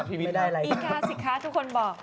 มีการสิคะทุกคนบอก